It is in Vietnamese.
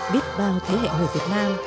biết bao thế hệ người việt nam